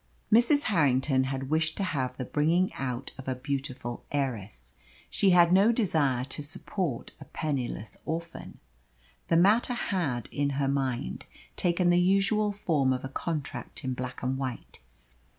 Mrs. Harrington had wished to have the bringing out of a beautiful heiress. She had no desire to support a penniless orphan. The matter had, in her mind, taken the usual form of a contract in black and white.